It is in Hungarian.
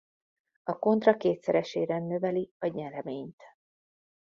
A kontra kétszeresére növeli a nyereményt.